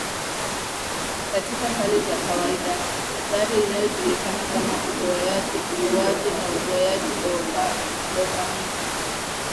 katika hali za kawaidaan athari inayojulikana kama uzoeaji Ukuaji wa uzoeaji dopamini